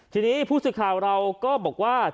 ทีนี้ผู้สื่อข่าวเราก็บอกว่า